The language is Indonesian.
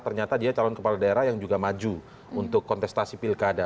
ternyata dia calon kepala daerah yang juga maju untuk kontestasi pilkada